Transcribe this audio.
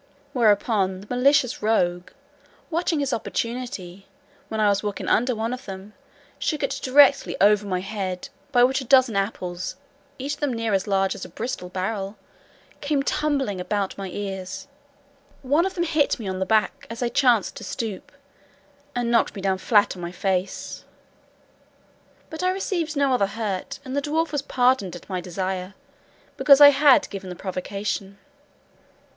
Whereupon, the malicious rogue, watching his opportunity, when I was walking under one of them, shook it directly over my head, by which a dozen apples, each of them near as large as a Bristol barrel, came tumbling about my ears; one of them hit me on the back as I chanced to stoop, and knocked me down flat on my face; but I received no other hurt, and the dwarf was pardoned at my desire, because I had given the provocation.